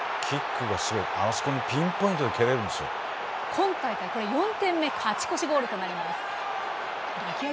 今大会４点目勝ち越しゴールとなります。